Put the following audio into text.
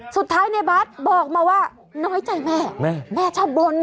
สุดท้ายในบาสบอกมาว่าน้อยใจแม่แม่ชอบบน